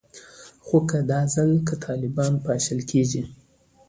خو که دا ځل که طالبان پاشل کیږي